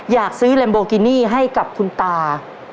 อยากซื้อแรมโบกินี่ให้กับคุณตา